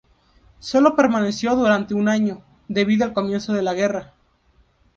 Sólo permaneció durante un año, debido al comienzo de la guerra.